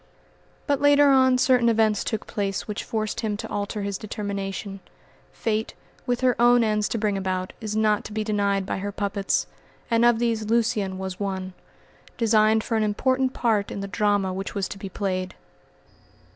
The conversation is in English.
But later on certain events took place which forced him to alter his determination. Fate, with her own ends to bring about is not to be denied by her puppets; and of these Lucian was one, designed for an important part in the drama which was to be played.